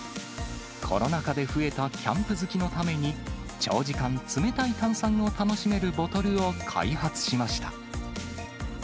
コロナ禍で増えたキャンプ好きのために、長時間、冷たい炭酸を楽しめるボトルを開発しました。